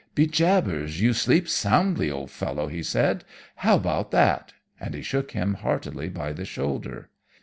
"'Be jabbers, you sleep soundly, old fellow!' he said. 'How about that!' and he shook him heartily by the shoulder.